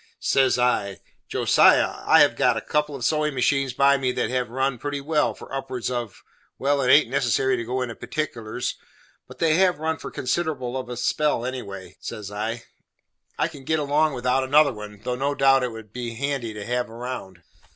Says I, "Josiah, I have got a couple of sewin' machines by me that have run pretty well for upwards of well it haint necessary to go into particulars, but they have run for considerable of a spell anyway" says I, "I can git along without another one, though no doubt it would be handy to have round."